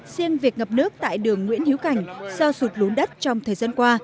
riêng việc ngập nước tại đường nguyễn hiếu cảnh do sụt lún đất trong thời gian qua